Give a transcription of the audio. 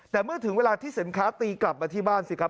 แต่เมื่อถึงเวลาที่สินค้าตีกลับมาที่บ้านสิครับ